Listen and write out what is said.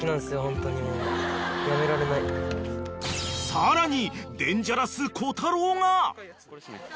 ［さらに］